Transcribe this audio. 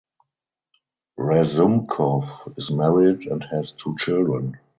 Razumkov is married and has two children.